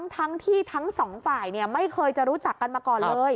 ทั้งที่ทั้งสองฝ่ายไม่เคยจะรู้จักกันมาก่อนเลย